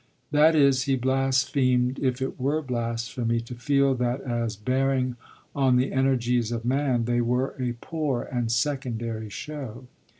That is, he blasphemed if it were blasphemy to feel that as bearing on the energies of man they were a poor and secondary show.